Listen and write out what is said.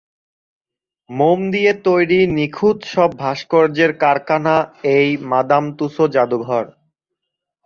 মোম দিয়ে তৈরী নিখুঁত সব ভাস্কর্যের কারখানা এই মাদাম তুসো জাদুঘর।